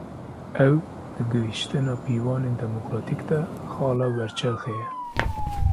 Ev, di gihîştina pîvanên demokratîk de, xala werçerxê ye